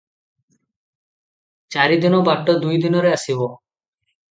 ଚାରିଦିନ ବାଟ ଦୁଇ ଦିନରେ ଆସିବ ।